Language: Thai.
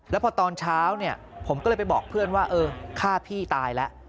แล้วพอตอนเช้าเนี่ยผมก็เลยไปบอกเพื่อนว่าเออฆ่าพี่ตายแล้ว